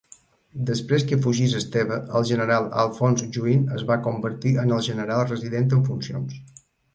Després que fugís Esteva, el general Alphonse Juin es va convertir en el general resident en funcions.